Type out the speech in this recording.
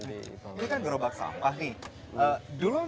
ini kan gerobak sampah nih